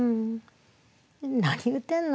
「何言うてんの。